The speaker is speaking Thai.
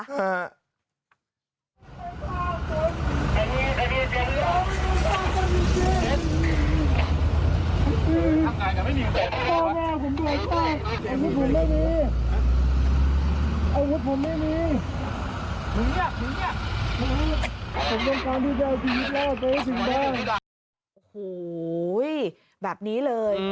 โหวยแบบนี้เลย